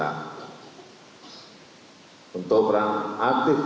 dan selalu memberikan dukungan terhadap program program strategis pemerintah